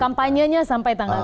kampanyenya sampai tanggal tiga